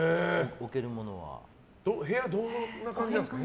部屋どんな感じなんですか？